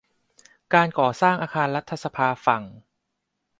การก่อสร้างอาคารรัฐสภาฝั่ง